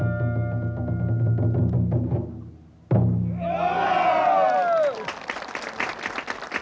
お！